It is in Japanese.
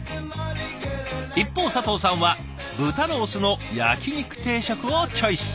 一方佐藤さんは豚ロースの焼肉定食をチョイス。